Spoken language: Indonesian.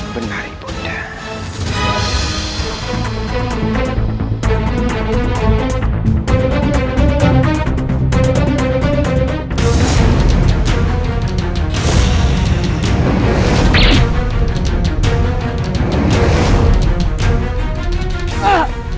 benar ibu nda